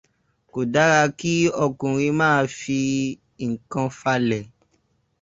Kò dára kí ọkùnrin ma fi ìkan falẹ̀.